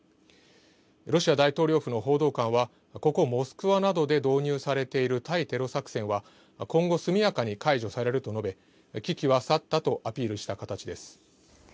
ロシア大統領府の報道官はここモスクワなどで導入されている対テロ作戦は今後、速やかに解除されると述べ危機は去ったとアピールした形です。